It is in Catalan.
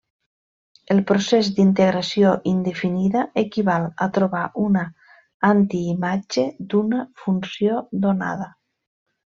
El procés d'integració indefinida equival a trobar una antiimatge d'una funció donada.